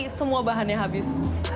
nanti semua bahannya habis